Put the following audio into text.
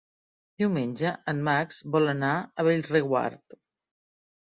Diumenge en Max vol anar a Bellreguard.